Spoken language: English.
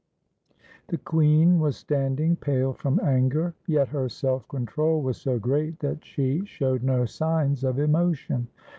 ] The queen was standing, pale from anger; yet her self control was so great that she showed no signs of emotion.